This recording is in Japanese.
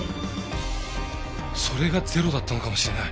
それがゼロだったのかもしれない。